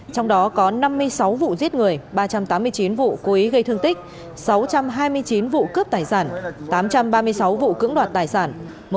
trong đó có năm mươi sáu vụ giết người ba trăm tám mươi chín vụ cố ý gây thương tích sáu trăm hai mươi chín vụ cướp tài sản tám trăm ba mươi sáu vụ cưỡng đoạt tài sản